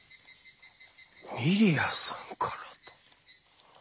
ミリアさんからだ。